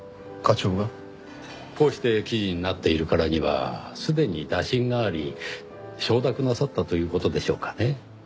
こうして記事になっているからにはすでに打診があり承諾なさったという事でしょうかねぇ。